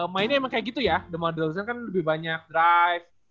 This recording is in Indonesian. mainnya emang kayak gitu ya the mother of zan kan lebih banyak drive